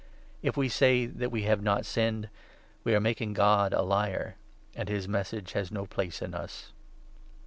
If we 10 say that we have not sinned, we are making God a liar, and his Message has no place in us.